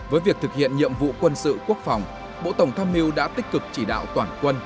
với việc thực hiện nhiệm vụ quân sự quốc phòng bộ tổng tham mưu đã tích cực chỉ đạo toàn quân